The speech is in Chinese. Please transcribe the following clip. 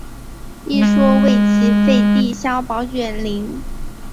一说为齐废帝萧宝卷陵。